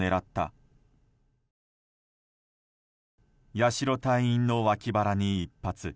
八代隊員の脇腹に１発。